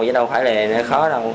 chứ đâu phải là khó đâu